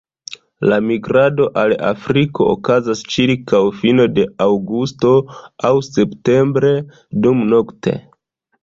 La migrado al Afriko okazas ĉirkaŭ fino de aŭgusto aŭ septembre, dumnokte.